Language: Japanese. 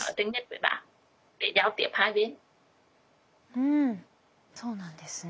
うんそうなんですね。